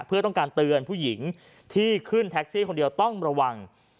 เพื่อต้องการเตือนผู้หญิงที่ขึ้นแท็กซี่คนเดียวต้องระวัง